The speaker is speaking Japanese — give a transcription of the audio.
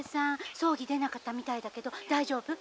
葬儀出なかったみたいだけど大丈夫？